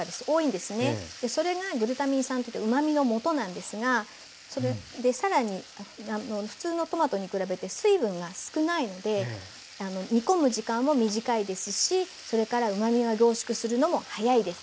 それがグルタミン酸といってうまみのもとなんですがさらに普通のトマトに比べて水分が少ないので煮込む時間も短いですしそれからうまみが凝縮するのもはやいです。